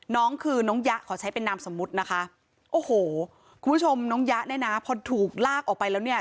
น้องคือน้องยะขอใช้เป็นนามสมมุตินะคะโอ้โหคุณผู้ชมน้องยะเนี่ยนะพอถูกลากออกไปแล้วเนี่ย